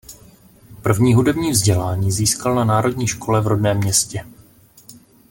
První hudební vzdělání získal na národní škole v rodném městě.